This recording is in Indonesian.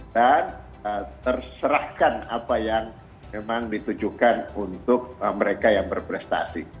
dan terserahkan apa yang memang ditujukan untuk mereka yang berprestasi